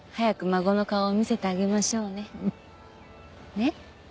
ねっ？